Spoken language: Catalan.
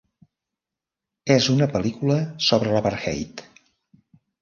És una pel·lícula sobre l'apartheid.